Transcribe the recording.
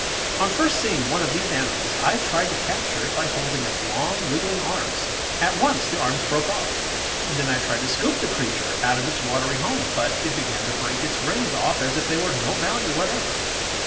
On first seeing one of these animals I tried to capture it by holding its long, wriggling arms. At once the arms broke off. Then I tried to scoop the creature out of its watery home. But it began to break its "rays" off as if they were of no value whatever.